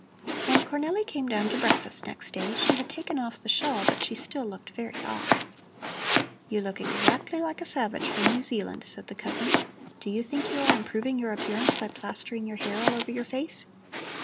When Cornelli came down to breakfast next day, she had taken off the shawl, but she still looked very odd. "You look exactly like a savage from New Zealand," said the cousin. "Do you think you are improving your appearance by plastering your hair all over your face?"